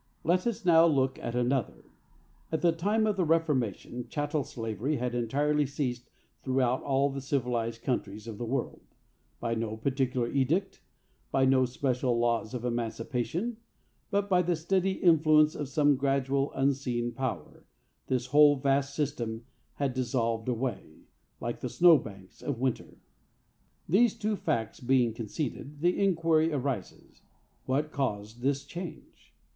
Let us now look at another. At the time of the Reformation, chattel slavery had entirely ceased throughout all the civilized countries of the world;—by no particular edict, by no special laws of emancipation, but by the steady influence of some gradual, unseen power, this whole vast system had dissolved away, like the snow banks of winter. These two facts being conceded, the inquiry arises, What caused this change?